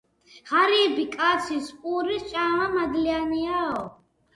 ღარიბი კაცის პურის ჭამა მადლიანიაო